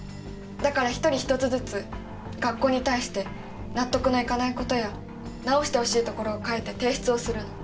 だから一人１つずつ学校に対して納得のいかないことや直してほしいところを書いて提出をするの。